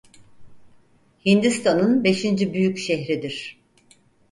Hindistan'ın beşinci büyük şehridir.